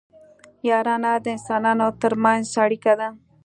یارانه د انسانانو ترمنځ اړیکه ده